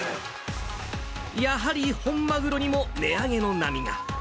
やはり本マグロにも値上げの波が。